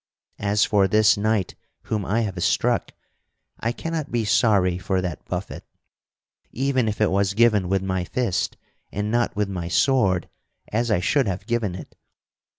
As for this knight whom I have struck, I cannot be sorry for that buffet, even if it was given with my fist and not with my sword as I should have given it.